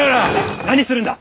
何するんだ！